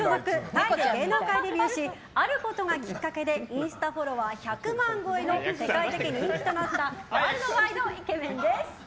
タイで芸能界デビューしあることがきっかけでインスタフォロワー１００万超えの世界的人気となったワールドワイドイケメンです。